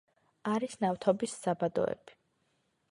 არის ნავთობის საბადოები.